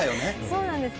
そうなんです。